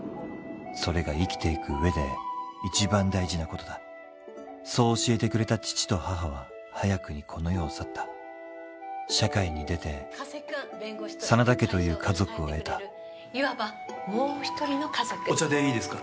それが生きていく上で一番大事なことだそう教えてくれた父と母は早くにこの世を去った社会に出て真田家という家族を得たいわばもう一人の家族お茶でいいですか？